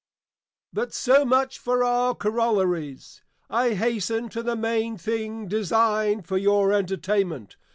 But so much for our Corollaries, I hasten to the main thing designed for your entertainment.